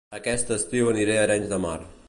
Aquest estiu aniré a Arenys de Mar